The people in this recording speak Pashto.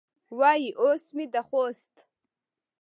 وایي اوس مې د خوست